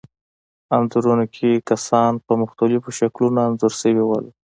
انځورونو کې کسان په مختلفو شکلونو انځور شوي وو.